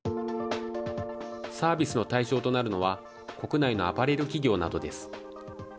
サービスの対象となるのは国内のアパレル企業などです。